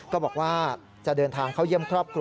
ก็บอกว่าจะเดินทางเข้าเยี่ยมครอบครัว